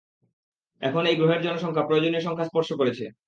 এখন, এই গ্রহের জনসংখ্যা প্রয়োজনীয় সংখ্যা স্পর্শ করেছে।